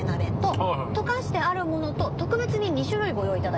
「溶かしてあるもの」と特別に２種類ご用意いただいています。